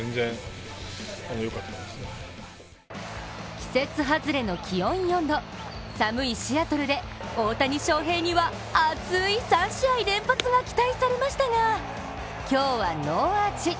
季節外れの気温４度、寒いシアトルで、大谷翔平には熱い３試合連発が期待されましたが、今日はノーアーチ。